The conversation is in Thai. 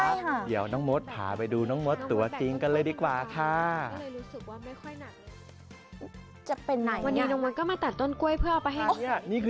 เจอน้องมดผ่าไปดูน้องมดตัวจริงกันเลยดีกว่าค่ะอาคารม